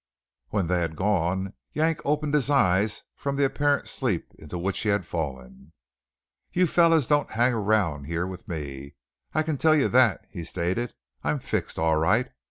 When they had gone Yank opened his eyes from the apparent sleep into which he had fallen. "You fellows don't hang around here with me, I can tell you that," he stated. "I'm fixed all right.